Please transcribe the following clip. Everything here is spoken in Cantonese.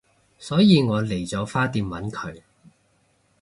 所以我嚟咗花店搵佢